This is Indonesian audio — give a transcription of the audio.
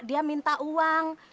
dia minta uang